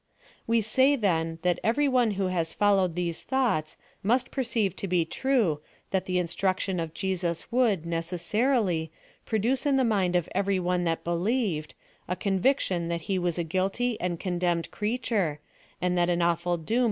We say, then, what every one who has followed these thoughts must perceive to be true, that the instruction of Jesus would, necessarily, produce in the mind of every one thai believed^ a conviction that he was a guilty and condemned creature, and that an awful doom PLAN OF SALVATION.